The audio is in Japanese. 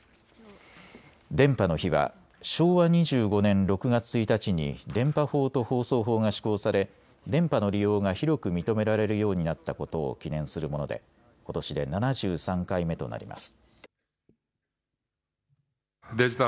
電波の日は昭和２５年６月１日に電波法と放送法が施行され電波の利用が広く認められるようになったことを記念するものでことしで７３回目となります。